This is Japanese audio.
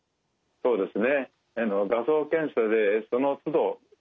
そうですね。